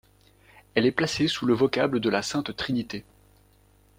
Elle est placée sous le vocable de la Sainte-Trinité.